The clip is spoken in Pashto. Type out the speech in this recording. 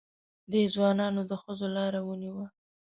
دې ځوانانو د ښځو لاره ونیوه.